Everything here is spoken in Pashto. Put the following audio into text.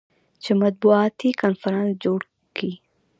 چې مطبوعاتي کنفرانس جوړ کي.